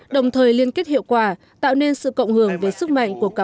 đồng thời liên kết hiệu quả tạo nên sự cộng hưởng về sức mạnh của các